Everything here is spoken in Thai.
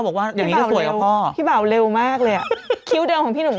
บอกว่าอย่างนี้สวยกว่าพ่อพี่บ่าวเร็วมากเลยอ่ะคิ้วเดิมของพี่หนุ่ม